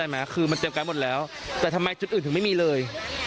มันเส้นหมดแล้วแต่จุดอื่นถ้าไม่มีเลย